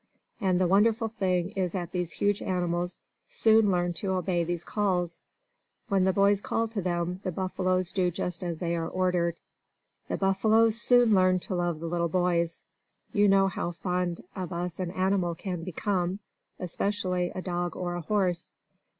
And the wonderful thing is that these huge animals soon learn to obey these calls. When the boys call to them, the buffaloes do just as they are ordered. The buffaloes soon learn to love the little boys. You know how fond of us an animal can become especially a dog or a horse.